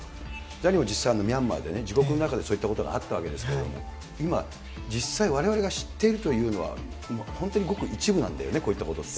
ザニーは実際ミャンマーで自国の中でそういったことがあったわけですけれども、今、実際、われわれが知っているというのは、本当にごく一部なんだよね、こういったことって。